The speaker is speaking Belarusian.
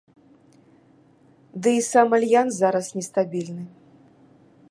Дый і сам альянс зараз не стабільны.